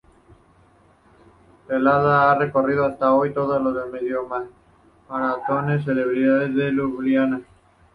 Helena ha recorrido hasta hoy todas las medio maratones celebradas en Liubliana.